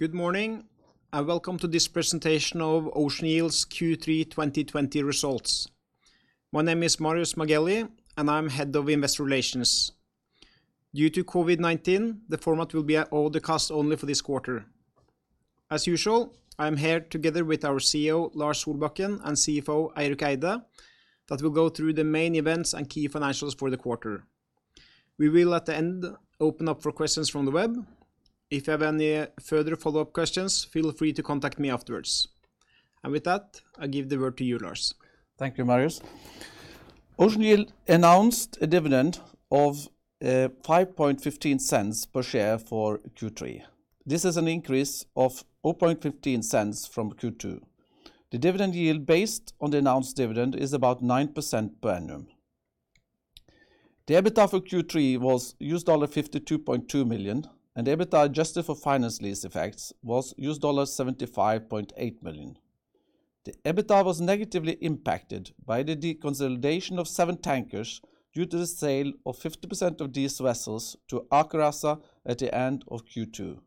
Good morning, welcome to this presentation of Ocean Yield's Q3 2020 results. My name is Marius Magelie, and I'm Head of Investor Relations. Due to COVID-19, the format will be audio-cast only for this quarter. As usual, I am here together with our CEO, Lars Solbakken, and CFO, Eirik Eide, that will go through the main events and key financials for the quarter. We will at the end open up for questions from the web. If you have any further follow-up questions, feel free to contact me afterwards. With that, I give the word to you, Lars. Thank you, Marius. Ocean Yield announced a dividend of $0.0515 per share for Q3. This is an increase of $0.0015 from Q2. The dividend yield based on the announced dividend is about 9% per annum. The EBITDA for Q3 was $52.2 million, and EBITDA adjusted for finance lease effects was $75.8 million. The EBITDA was negatively impacted by the deconsolidation of seven tankers due to the sale of 50% of these vessels to Aker ASA at the end of Q2.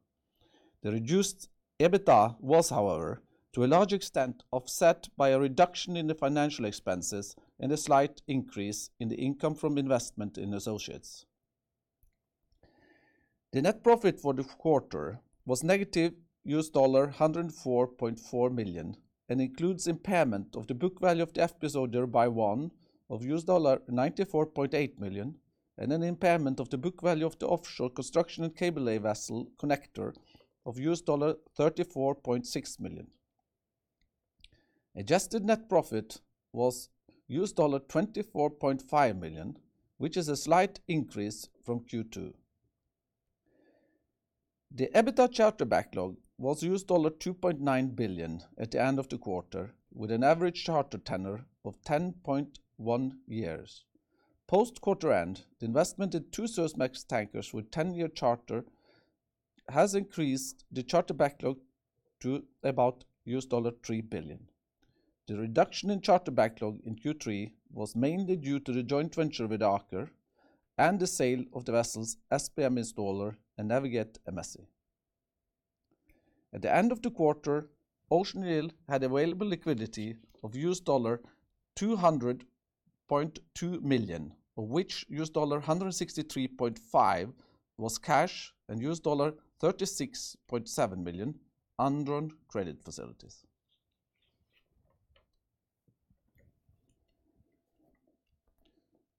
The reduced EBITDA was, however, to a large extent offset by a reduction in the financial expenses and a slight increase in the income from investment in associates. The net profit for the quarter was negative $104.4 million and includes impairment of the book value of the FPSO Dhirubhai-1 of $94.8 million and an impairment of the book value of the offshore construction and cable-lay vessel Connector of $34.6 million. Adjusted net profit was $24.5 million, which is a slight increase from Q2. The EBITDA charter backlog was $2.9 billion at the end of the quarter, with an average charter tenor of 11.1 years. Post quarter end, the investment in two Suezmax tankers with 10-year charter has increased the charter backlog to about $3 billion. The reduction in charter backlog in Q3 was mainly due to the joint venture with Aker and the sale of the vessels SBM Installer and Navig8 Amethyst. At the end of the quarter, Ocean Yield had available liquidity of $200.2 million, of which $163.5 was cash and $36.7 million undrawn credit facilities.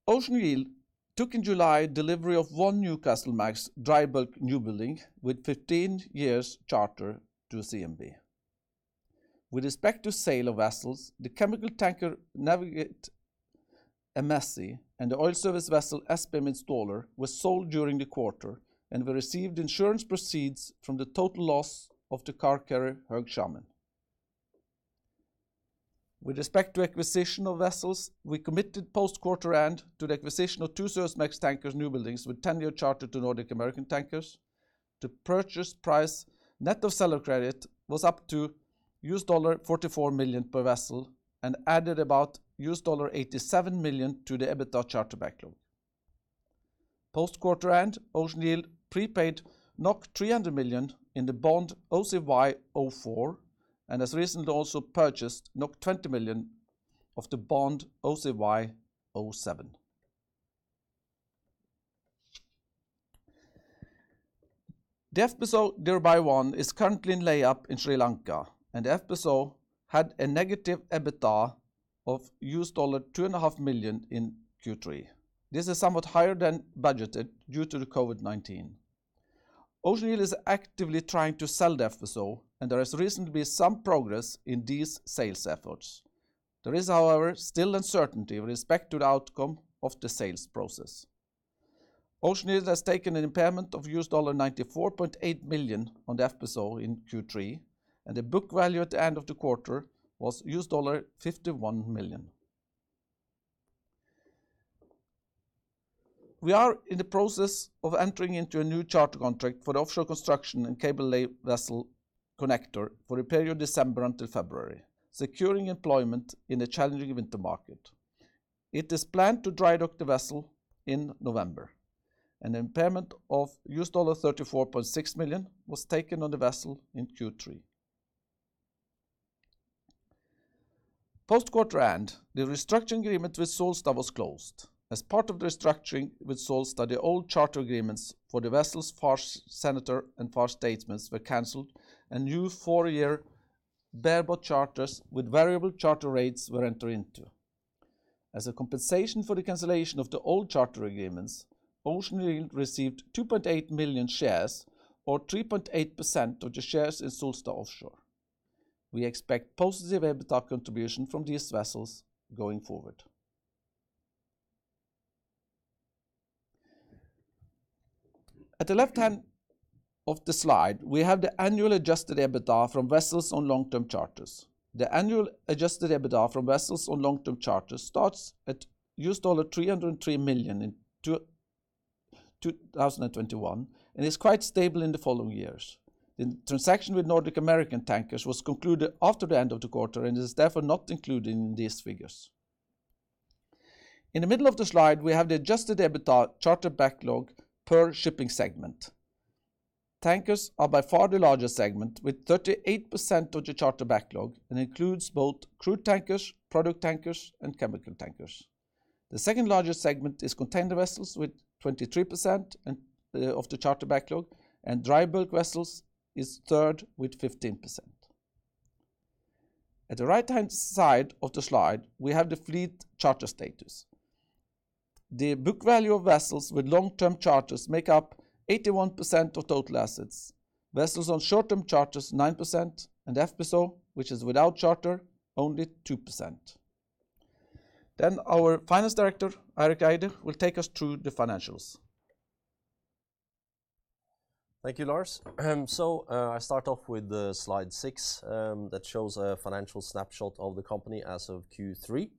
Ocean Yield took in July delivery of one Newcastlemax dry bulk newbuilding with 15-year charter to CMB. With respect to sale of vessels, the chemical tanker Navig8 Amethyst and the oil service vessel SBM Installer were sold during the quarter, and we received insurance proceeds from the total loss of the car carrier Höegh Xiamen. With respect to acquisition of vessels, we committed post quarter end to the acquisition of two Suezmax tankers newbuildings with 10-year charter to Nordic American Tankers. The purchase price net of seller credit was up to $44 million per vessel and added about $87 million to the EBITDA charter backlog. Post quarter end, Ocean Yield prepaid 300 million in the bond OCY04 and has recently also purchased 20 million of the bond OCY07. The FPSO Dhirubhai-1 is currently in layup in Sri Lanka, and the FPSO had a negative EBITDA of $2.5 million in Q3. This is somewhat higher than budgeted due to the COVID-19. Ocean Yield is actively trying to sell the FPSO, and there has recently been some progress in these sales efforts. There is, however, still uncertainty with respect to the outcome of the sales process. Ocean Yield has taken an impairment of $94.8 million on the FPSO in Q3, and the book value at the end of the quarter was $51 million. We are in the process of entering into a new charter contract for the offshore construction and cable-lay vessel Connector for the period December until February, securing employment in the challenging winter market. It is planned to dry dock the vessel in November. An impairment of $34.6 million was taken on the vessel in Q3. Post quarter end, the restructuring agreement with Solstad was closed. As part of the restructuring with Solstad, the old charter agreements for the vessels Far Senator and Far Statesman were canceled and new four-year bareboat charters with variable charter rates were entered into. As a compensation for the cancellation of the old charter agreements, Ocean Yield received 2.8 million shares or 3.8% of the shares in Solstad Offshore. We expect positive EBITDA contribution from these vessels going forward. At the left hand of the slide, we have the annual adjusted EBITDA from vessels on long-term charters. The annual adjusted EBITDA from vessels on long-term charters starts at $303 million in 2021 and is quite stable in the following years. The transaction with Nordic American Tankers was concluded after the end of the quarter and is therefore not included in these figures. In the middle of the slide, we have the adjusted EBITDA charter backlog per shipping segment. Tankers are by far the largest segment with 38% of the charter backlog and includes both crude tankers, product tankers, and chemical tankers. The second largest segment is container vessels with 23% of the charter backlog, and dry bulk vessels is third with 15%. At the right-hand side of the slide, we have the fleet charter status. The book value of vessels with long-term charters make up 81% of total assets. Vessels on short-term charters 9%, and FPSO, which is without charter, only 2%. Our Finance Director, Eirik Eide, will take us through the financials. Thank you, Lars. I start off with slide six that shows a financial snapshot of the company as of Q3.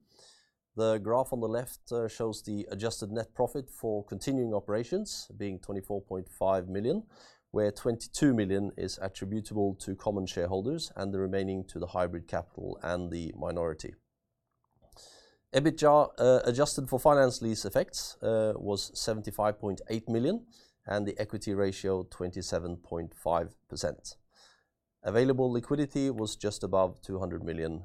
The graph on the left shows the adjusted net profit for continuing operations being $24.5 million, where $22 million is attributable to common shareholders and the remaining to the hybrid capital and the minority. EBITDA adjusted for finance lease effects was $75.8 million and the equity ratio 27.5%. Available liquidity was just above $200 million.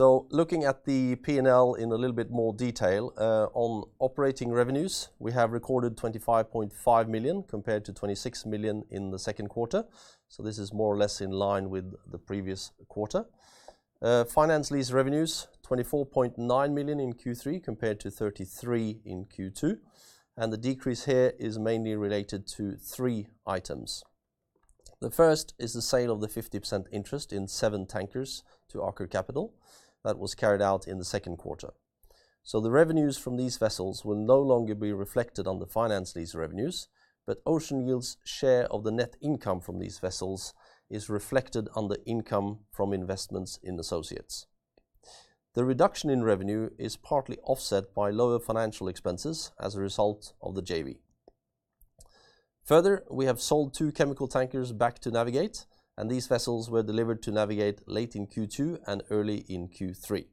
Looking at the P&L in a little bit more detail. On operating revenues, we have recorded $25.5 million compared to $26 million in the second quarter. This is more or less in line with the previous quarter. Finance lease revenues $24.9 million in Q3 compared to $33 million in Q2. The decrease here is mainly related to three items. The first is the sale of the 50% interest in seven tankers to Aker Capital that was carried out in the second quarter. The revenues from these vessels will no longer be reflected on the finance lease revenues, but Ocean Yield's share of the net income from these vessels is reflected on the income from investments in associates. Further, we have sold two chemical tankers back to Navig8, and these vessels were delivered to Navig8 late in Q2 and early in Q3.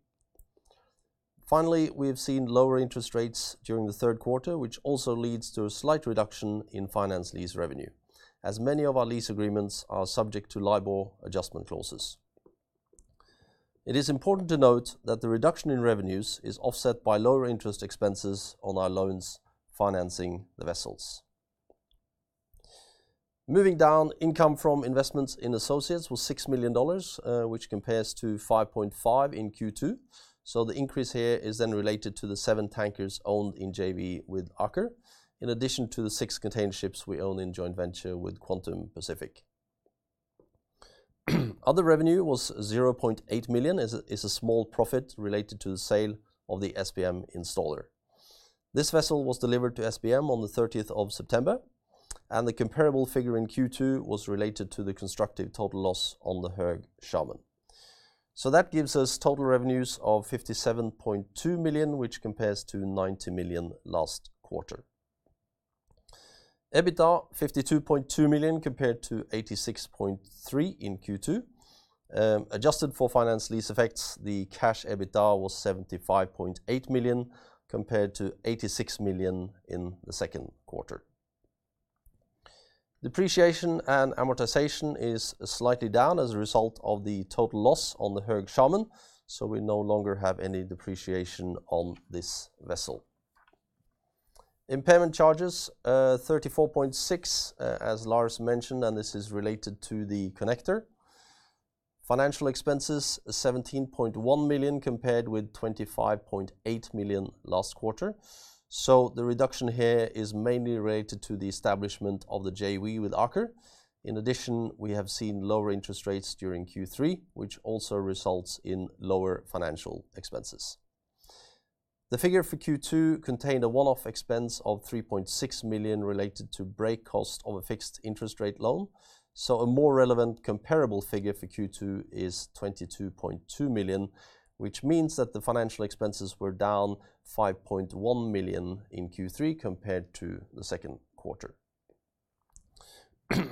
Finally, we have seen lower interest rates during the third quarter, which also leads to a slight reduction in finance lease revenue, as many of our lease agreements are subject to LIBOR adjustment clauses. It is important to note that the reduction in revenues is offset by lower interest expenses on our loans financing the vessels. Moving down income from investments in associates was $6 million, which compares to $5.5 million in Q2. The increase here is then related to the seven tankers owned in JV with Aker. In addition to the six container ships we own in joint venture with Quantum Pacific. Other revenue was $0.8 million is a small profit related to the sale of the SBM Installer. This vessel was delivered to SBM on the 30th of September, and the comparable figure in Q2 was related to the constructive total loss on the Höegh Xiamen. That gives us total revenues of $57.2 million, which compares to $90 million last quarter. EBITDA $52.2 million compared to $86.3 million in Q2. Adjusted for finance lease effects, the cash EBITDA was $75.8 million compared to $86 million in the second quarter. Depreciation and amortization is slightly down as a result of the total loss on the Höegh Xiamen. We no longer have any depreciation on this vessel. Impairment charges, $34.6 million as Lars mentioned, and this is related to the Connector. Financial expenses $17.1 million compared with $25.8 million last quarter. The reduction here is mainly related to the establishment of the JV with Aker. In addition, we have seen lower interest rates during Q3, which also results in lower financial expenses. The figure for Q2 contained a one-off expense of $3.6 million related to break cost of a fixed interest rate loan. A more relevant comparable figure for Q2 is $22.2 million, which means that the financial expenses were down $5.1 million in Q3 compared to the second quarter.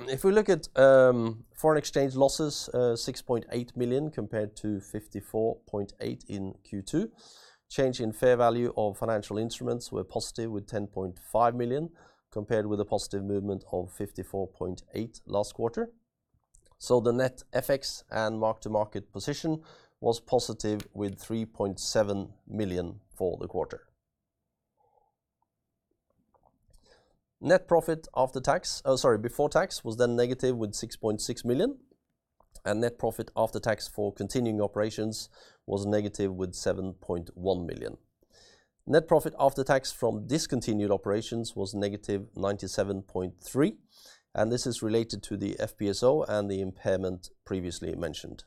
If we look at foreign exchange losses, $6.8 million compared to $54.8 in Q2. Change in fair value of financial instruments were positive with $10.5 million, compared with a positive movement of $54.8 last quarter. The net FX and mark-to-market position was positive with $3.7 million for the quarter. Net profit before tax was then negative with $6.6 million, and net profit after tax for continuing operations was negative with $7.1 million. Net profit after tax from discontinued operations was negative $97.3, and this is related to the FPSO and the impairment previously mentioned.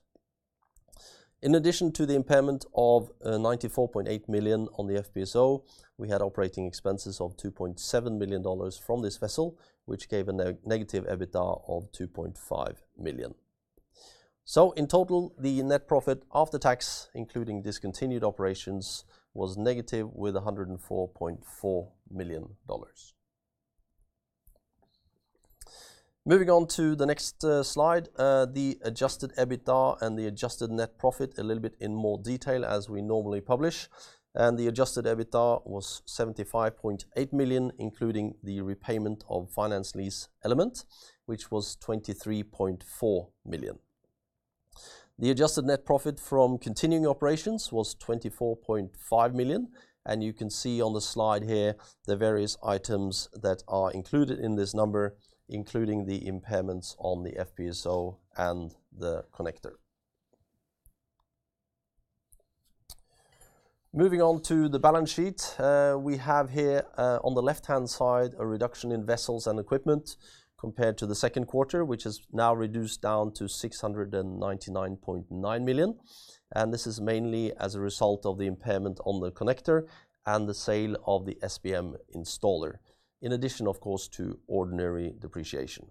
In addition to the impairment of $94.8 million on the FPSO, we had operating expenses of $2.7 million from this vessel, which gave a negative EBITDA of $2.5 million. In total, the net profit after tax, including discontinued operations, was negative with $104.4 million. Moving on to the next slide, the adjusted EBITDA and the adjusted net profit a little bit in more detail as we normally publish. The adjusted EBITDA was $75.8 million, including the repayment of finance lease element, which was $23.4 million. The adjusted net profit from continuing operations was $24.5 million, and you can see on the slide here the various items that are included in this number, including the impairments on the FPSO and the Connector. Moving on to the balance sheet. We have here on the left-hand side a reduction in vessels and equipment compared to the second quarter, which is now reduced down to $699.9 million. This is mainly as a result of the impairment on the Connector and the sale of the SBM Installer. In addition, of course, to ordinary depreciation.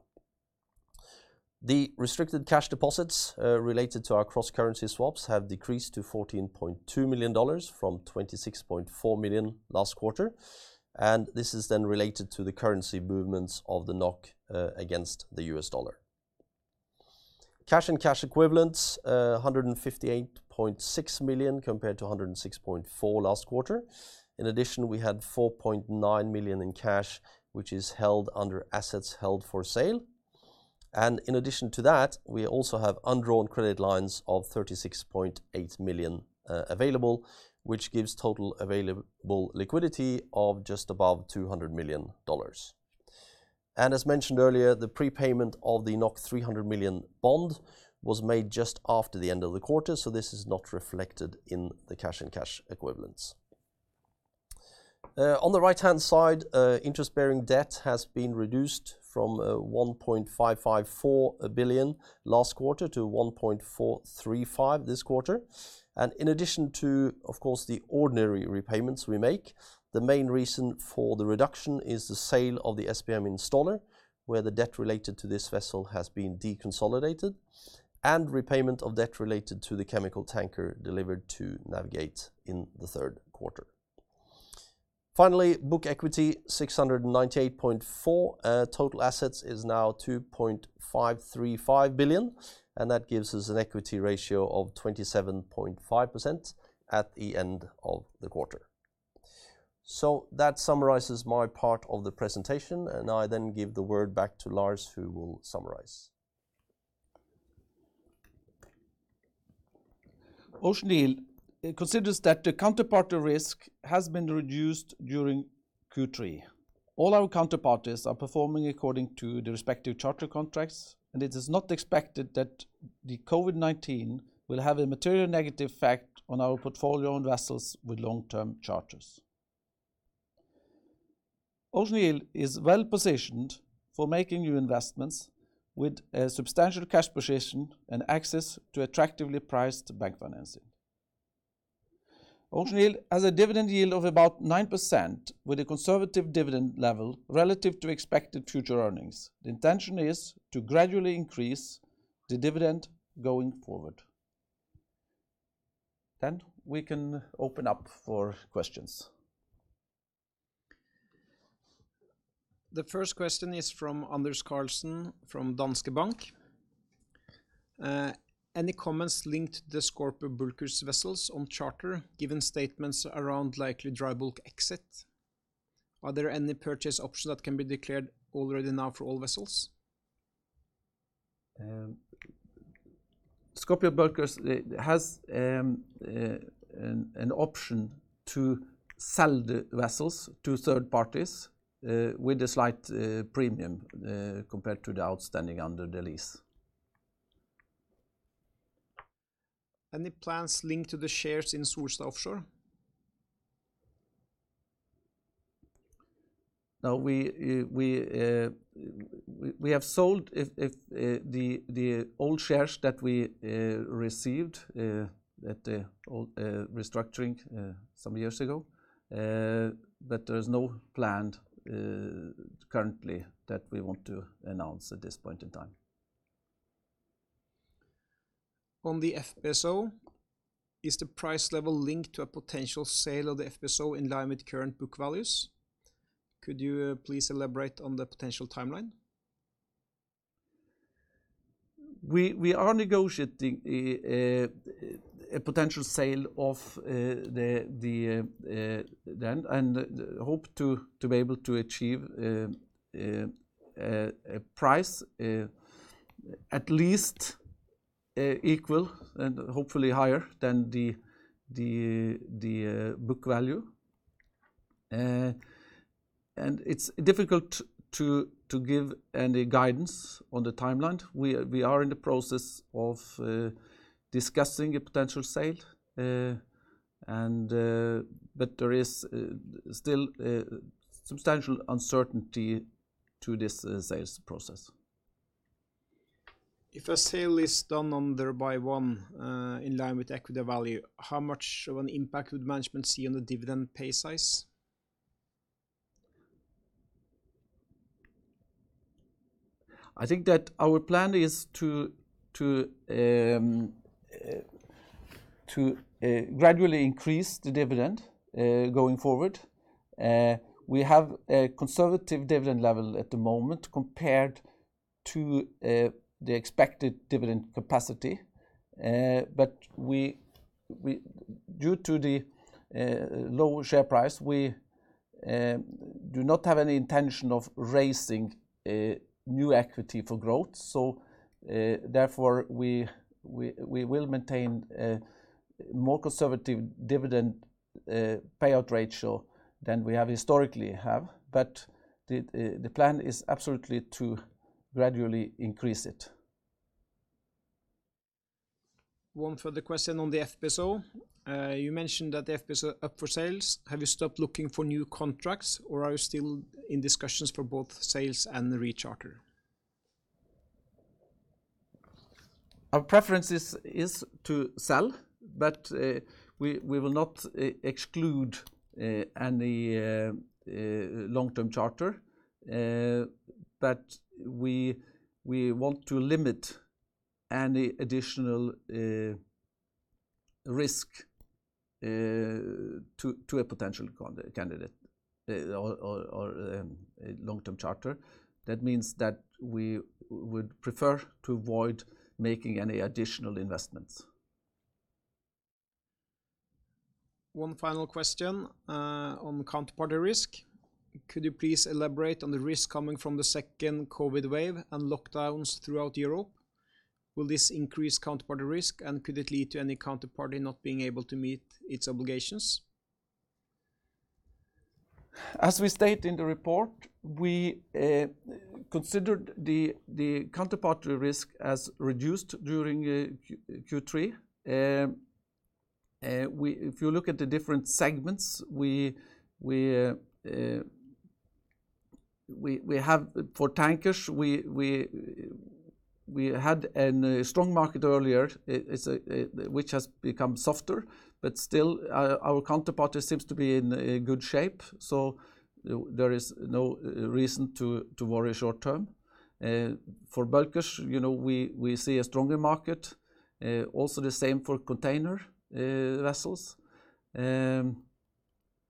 The restricted cash deposits related to our cross-currency swaps have decreased to $14.2 million from $26.4 million last quarter. This is then related to the currency movements of the NOK against the U.S. dollar. Cash and cash equivalents, $158.6 million compared to $106.4 last quarter. In addition, we had $4.9 million in cash, which is held under assets held for sale. In addition to that, we also have undrawn credit lines of $36.8 million available, which gives total available liquidity of just above $200 million. As mentioned earlier, the prepayment of the 300 million bond was made just after the end of the quarter. This is not reflected in the cash and cash equivalents. On the right-hand side, interest-bearing debt has been reduced from $1.554 billion last quarter to $1.435 this quarter. In addition to, of course, the ordinary repayments we make, the main reason for the reduction is the sale of the SBM Installer, where the debt related to this vessel has been deconsolidated and repayment of debt related to the chemical tanker delivered to Navig8 in the third quarter. Book equity $698.4. Total assets is now $2.535 billion, and that gives us an equity ratio of 27.5% at the end of the quarter. That summarizes my part of the presentation, and I then give the word back to Lars, who will summarize. Ocean Yield considers that the counterparty risk has been reduced during Q3. All our counterparties are performing according to the respective charter contracts, and it is not expected that the COVID-19 will have a material negative effect on our portfolio and vessels with long-term charters. Ocean Yield is well-positioned for making new investments with a substantial cash position and access to attractively priced bank financing. Ocean Yield has a dividend yield of about 9% with a conservative dividend level relative to expected future earnings. The intention is to gradually increase the dividend going forward. We can open up for questions. The first question is from Anders Karlsen from Danske Bank. Any comments linked to the Scorpio Bulkers vessels on charter given statements around likely dry bulk exit? Are there any purchase options that can be declared already now for all vessels? Scorpio Bulkers has an option to sell the vessels to third parties with a slight premium compared to the outstanding under the lease. Any plans linked to the shares in Solstad Offshore? No, we have sold the old shares that we received at the restructuring some years ago. There is no plan currently that we want to announce at this point in time. On the FPSO, is the price level linked to a potential sale of the FPSO in line with current book values? Could you please elaborate on the potential timeline? We are negotiating a potential sale of the land and hope to be able to achieve a price at least equal and hopefully higher than the book value. It's difficult to give any guidance on the timeline. We are in the process of discussing a potential sale, but there is still substantial uncertainty to this sales process. If a sale is done under Dhirubhai-1 in line with equity value, how much of an impact would management see on the dividend pay size? I think that our plan is to gradually increase the dividend going forward. We have a conservative dividend level at the moment compared to the expected dividend capacity. Due to the low share price, we do not have any intention of raising new equity for growth. Therefore, we will maintain a more conservative dividend payout ratio than we have historically. The plan is absolutely to gradually increase it. One further question on the FPSO. You mentioned that the FPSO up for sales, have you stopped looking for new contracts, or are you still in discussions for both sales and the re-charter? Our preference is to sell, but we will not exclude any long-term charter. We want to limit any additional risk to a potential candidate or long-term charter. That means that we would prefer to avoid making any additional investments. One final question on counterparty risk. Could you please elaborate on the risk coming from the second COVID wave and lockdowns throughout Europe? Will this increase counterparty risk, and could it lead to any counterparty not being able to meet its obligations? As we state in the report, we considered the counterparty risk as reduced during Q3. If you look at the different segments, for tankers, we had a strong market earlier, which has become softer, but still our counterparty seems to be in good shape, there is no reason to worry short term. For bulkers, we see a stronger market. Also the same for container vessels.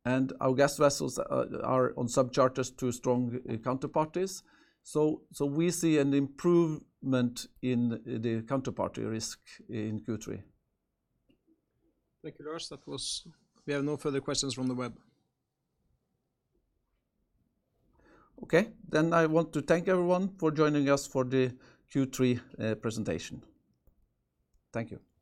Our gas vessels are on subcharters to strong counterparties. We see an improvement in the counterparty risk in Q3. Thank you, Lars. We have no further questions from the web. Okay. I want to thank everyone for joining us for the Q3 presentation. Thank you.